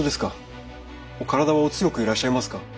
お体はお強くいらっしゃいますか。